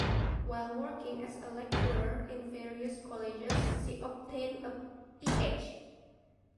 While working as a lecturer in various colleges, she obtained a Ph.